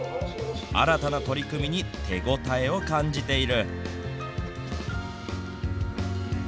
新たな取り組みに手応えを感じている。